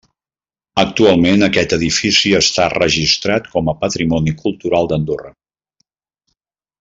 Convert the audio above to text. Actualment aquest edifici està registrat com a Patrimoni Cultural d'Andorra.